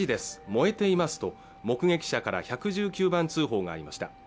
燃えていますと目撃者から１１９番通報がありました